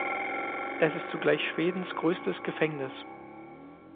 Es ist zugleich Schwedens größtes Gefängnis.